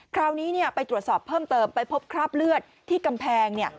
คราวนี้ไปตรวจสอบเพิ่มเติมไปพบคราบเลือดที่กำแพง